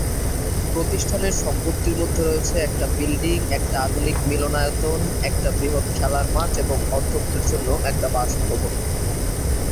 প্রতিষ্ঠানের সম্পত্তির মধ্যে রয়েছে একটি বিল্ডিং, একটি আধুনিক মিলনায়তন, একটি বৃহৎ খেলার মাঠ এবং অধ্যক্ষের জন্য একটি বাসভবন।